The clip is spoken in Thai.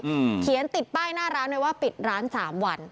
อืมเขียนติดป้ายหน้าร้านเลยว่าปิดร้านสามวัน